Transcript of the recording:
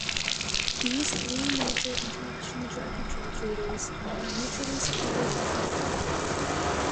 These three major international drug control treaties are mutually supportive and complementary.